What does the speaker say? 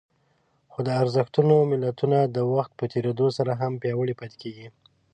خو د ارزښتونو ملتونه د وخت په تېرېدو سره هم پياوړي پاتې کېږي.